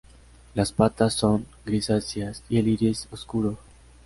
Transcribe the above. Las patas son grisáceas y el iris oscuro.